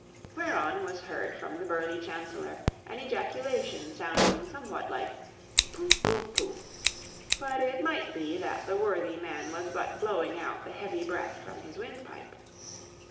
Whereon was heard from the burly chancellor an ejaculation sounding somewhat like 'Pooh, pooh, pooh!' but it might have been that the worthy man was but blowing out the heavy breath from his windpipe.